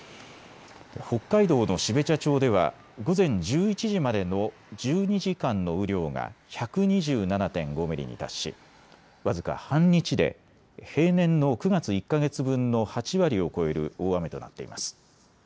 北海道の標茶町では午前１１時までの１２時間の雨量が１２７．５ミリに達し僅か半日で平年の９月１か月分の８割を超える大雨となっています。